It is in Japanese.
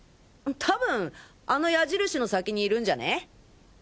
多分あの矢印の先にいるんじゃね？